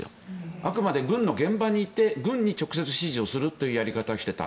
あくまで軍の現場に行って軍に直接指示するというやり方をしていた。